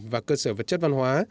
và cơ sở vật chất văn hóa